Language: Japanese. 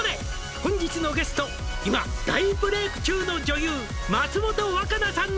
「本日のゲスト今大ブレイク中の女優松本若菜さんの」